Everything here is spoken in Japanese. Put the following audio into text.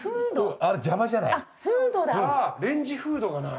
ああレンジフードがない。